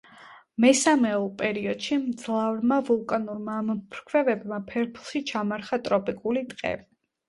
მესამეულ პერიოდში მძლავრმა ვულკანურმა ამოფრქვევებმა ფერფლში ჩამარხა ტროპიკული ტყე.